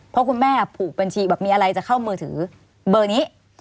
เพราะคุณแม่ผูกบัญชีแบบมีอะไรจะเข้ามือถือเบอร์นี้